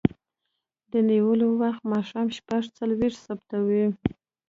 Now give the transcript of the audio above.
د نیولو وخت ماښام شپږ څلویښت ثبتوي.